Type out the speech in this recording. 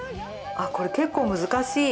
これ、結構難しい。